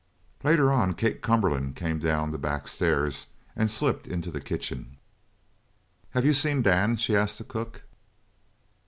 Later on Kate Cumberland came down the backstairs and slipped into the kitchen. "Have you seen Dan?" she asked of the cook.